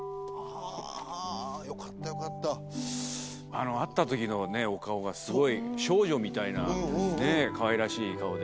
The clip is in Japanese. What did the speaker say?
あの会った時のねお顔がすごい少女みたいなねかわいらしい顔で。